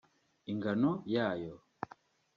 ingano yayo